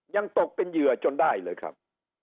ยังตกเป็นเหยื่อจนได้เลยครับ